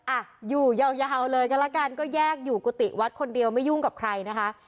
อ่ะอยู่ยาวยาวเลยกันละกันก็แยกอยู่กุฏิวัดคนเดียวไม่ยุ่งกับใครนะคะ